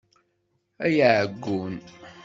Ay aɛeggun!